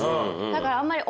だからあんまり。